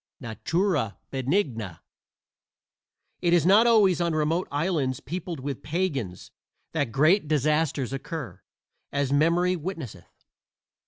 NATURA BENIGNA It is not always on remote islands peopled with pagans that great disasters occur, as memory witnesseth.